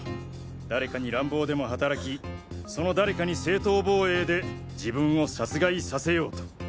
誰かに乱暴でもはたらきその誰かに正当防衛で自分を殺害させようと。